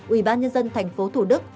ủy ban nhân dân tp thủ đức